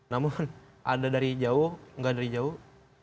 namun ada dari jauh nggak dari jauh